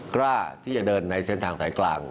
กล้าที่จะเดินในเส้นทางสายกลาง